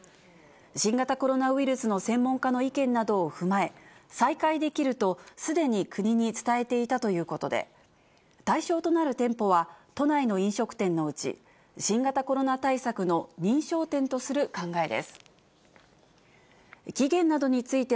新型コロナウイルスの専門家の意見などを踏まえ、再開できると、すでに国に伝えていたということで、対象となる店舗は、都内の飲食店のうち、新型コロナ対策の認証店とする考えです。